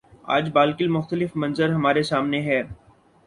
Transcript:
آج بالکل مختلف منظر ہمارے سامنے ہے۔